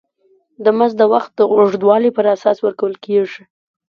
دا مزد د وخت د اوږدوالي پر اساس ورکول کېږي